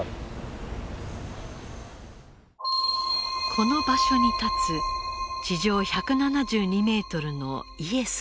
この場所に建つ地上１７２メートルのイエスの塔。